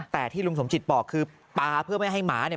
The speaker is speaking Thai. แต่ที่ลุงสมจิตบอกคือปลาเพื่อไม่ให้หมาเนี่ย